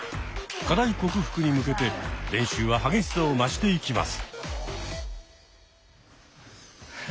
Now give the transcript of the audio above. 課題克服に向けて練習は激しさを増していきます。